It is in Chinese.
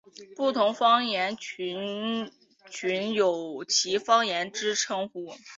不同方言族群有其方言之称呼。